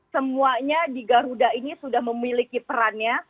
semuanya di garuda ini sudah memiliki perannya